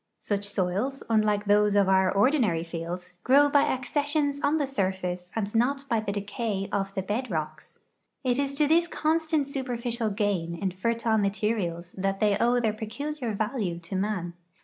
Such soils, unlike those of our ordinary fields, grow by accessions on the surface and not by the decay of the bed rocks. It is to this constant superficial gain in fertile materials that they owe their j)eculiar value to man.